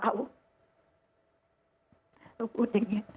เขาพูดอย่างนี้